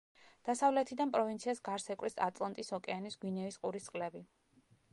დასავლეთიდან პროვინციას გარს ეკვრის ატლანტის ოკეანის გვინეის ყურის წყლები.